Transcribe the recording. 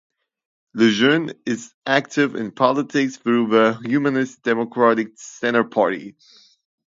Lejeune is active in politics through the Humanist Democratic Centre party.